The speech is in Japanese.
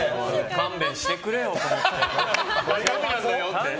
勘弁してくれよと思って。